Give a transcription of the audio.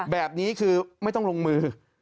แบบนี้คือไม่ต้องลงมือ